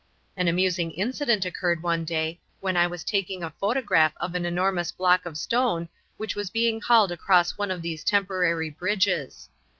An amusing incident occurred one day when I was taking a photograph of an enormous block of stone which was being hauled across one of these temporary bridges.